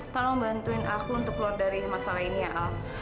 tolong bantuin aku untuk keluar dari masalah ini ya al